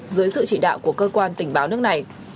dưới sự chỉ đạo của cơ quan tình báo nước này